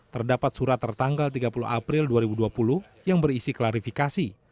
terdapat surat tertanggal tiga puluh april dua ribu dua puluh yang berisi klarifikasi